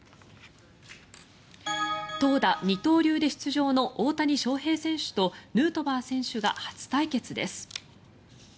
投打二刀流で出場の大谷翔平選手とヌートバー選手が初対決です。